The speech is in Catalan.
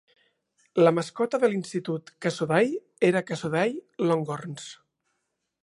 La mascota de l'institut Cassoday era Cassoday Longhorns.